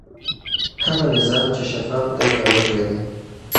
هغه نظام چې شفاف دی باور لري.